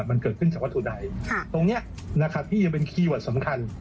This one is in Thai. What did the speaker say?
มันเกิดขึ้นจากวัตถุใดตรงนี้นะครับที่จะเป็นคีย์เวิร์ดสำคัญ